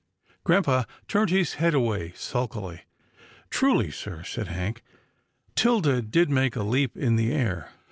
Grampa turned his head away, sulkily. " Truly sir," said Hank, " 'Tilda did make a leap in the air.